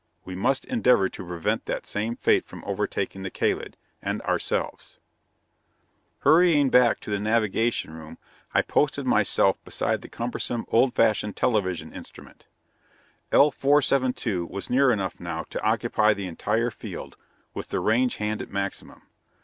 We must endeavor to prevent that same fate from overtaking the Kalid and ourselves." Hurrying back to the navigating room, I posted myself beside the cumbersome, old fashioned television instrument. L 472 was near enough now to occupy the entire field, with the range hand at maximum.